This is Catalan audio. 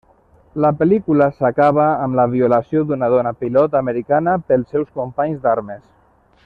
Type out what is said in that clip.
La pel·lícula s'acaba amb la violació d'una dona pilot americana pels seus companys d'armes.